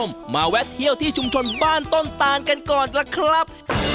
ก่อนคุณผู้ชมมาแวดเที่ยวที่ชมชนบ้านต้นตาลกันก่อนแหละครับ